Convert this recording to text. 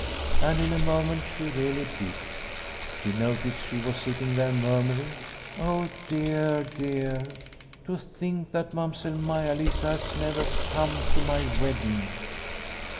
And in a moment she really did ; she noticed she was sitting there murmur ing : "Oh dear, dear, to think that Mamsell Maia Lisa has never come to my wedding